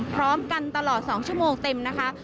พร้อมกันตลอด๒ชั่วโมงเต็มนะคะ